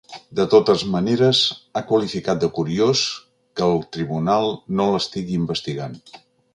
De totes maneres, ha qualificat de ‘curiós’ que el tribunal no l’estigui investigant.